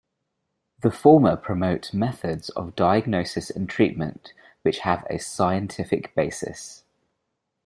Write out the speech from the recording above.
The former promote methods of diagnosis and treatment which have a scientific basis.